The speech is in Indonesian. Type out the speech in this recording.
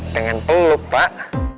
pengen peluk pak